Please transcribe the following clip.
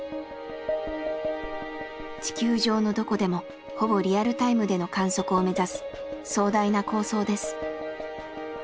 地球上のどこでもほぼリアルタイムでの観測を目指す壮大な構想です。